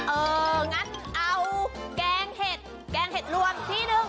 เอองั้นเอาแกงเห็ดแกงเห็ดรวมที่นึง